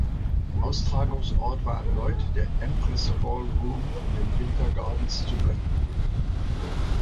Austragungsort war erneut der Empress Ballroom in den Winter Gardens zu Blackpool.